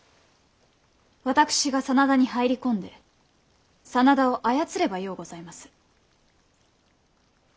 私が真田に入り込んで真田を操ればようございます。